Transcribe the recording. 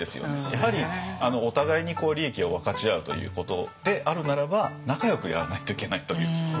やはりお互いに利益を分かち合うということであるならば仲よくやらないといけないという。